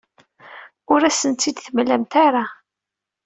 Ur asen-tt-id-temlamt ara.